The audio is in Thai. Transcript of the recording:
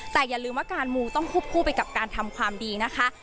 แต่อย่าลืมว่าการมูต้องควบคู่ไปกับการทำความดีนะคะ